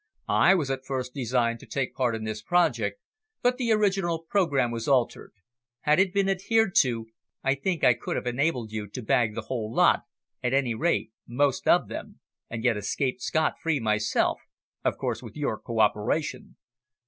"I was at first designed to take part in this project, but the original programme was altered. Had it been adhered to, I think I could have enabled you to bag the whole lot, at any rate, most of them, and yet escaped scot free myself, of course with your co operation."